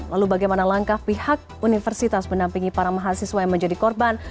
lalu bagaimana langkah pihak universitas menampingi para mahasiswa yang menjadi korban